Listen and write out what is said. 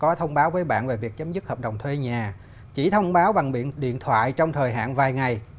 có thông báo với bạn về việc chấm dứt hợp đồng thuê nhà chỉ thông báo bằng điện thoại trong thời hạn vài ngày